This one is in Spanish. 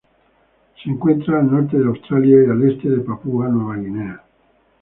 Se encuentra al norte de Australia y al este de Papúa Nueva Guinea.